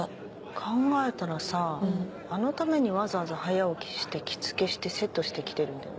考えたらさあのためにわざわざ早起きして着付けしてセットして来てるんだよね。